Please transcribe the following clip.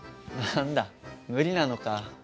何だ無理なのか。